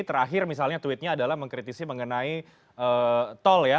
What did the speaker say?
terakhir misalnya tweetnya adalah mengkritisi mengenai tol ya